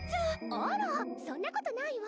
・あらそんなことないわ。